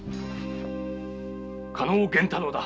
加納源太郎だ。